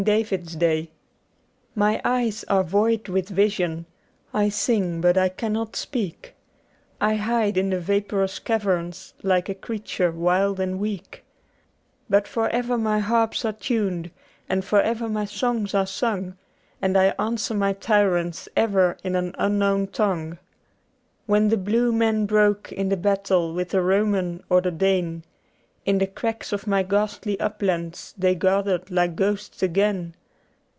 DAVID'S DAY MY eyes are void with vision ; I sing but I cannot speak ; I hide in the vaporous caverns like a creature wild and weak ; But for ever my harps are tuned and for ever my songs are sung, And I answer my tyrants ever in an unknown tongue. When the blue men broke in the battle with the Roman or the Dane, In the cracks of my ghastly uplands they gathered like ghosts again.